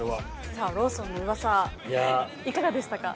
さぁローソンのウワサいかがでしたか？